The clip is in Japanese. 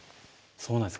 そうなんです